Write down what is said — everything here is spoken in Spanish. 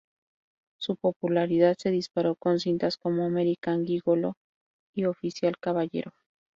Su popularidad se disparó con cintas como "American Gigolo" y "Oficial y Caballero".